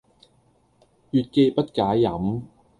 月既不解飲，